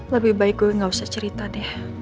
lebih baik gue gak usah cerita deh